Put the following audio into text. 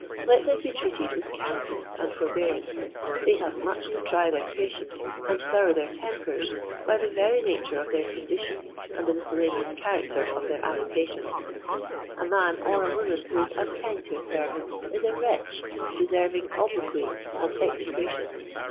Let them be treated with kindness and forbearance: they have much to try their patience and sour their tempers by the very nature of their condition and the miscellaneous character of their avocations. A man or a woman who is unkind to a servant, is a wretch deserving obloquy and execration.